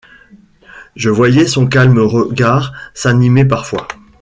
Je voyais son calme regard s’animer parfois.